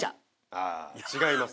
ああ違います。